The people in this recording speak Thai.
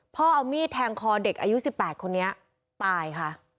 เอามีดแทงคอเด็กอายุ๑๘คนนี้ตายค่ะ